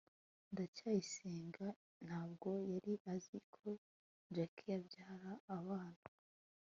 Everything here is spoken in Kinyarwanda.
ndacyayisenga ntabwo yari azi ko jaki yabyaye abana